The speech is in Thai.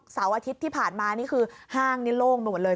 เสาร์อาทิตย์ที่ผ่านมานี่คือห้างนี่โล่งไปหมดเลย